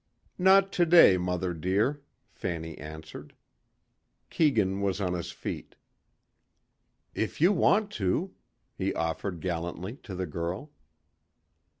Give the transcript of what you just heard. "Not today, mother dear," Fanny answered. Keegan was on his feet. "If you want to," he offered gallantly to the girl.